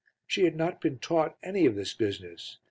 She had not been taught any of this business.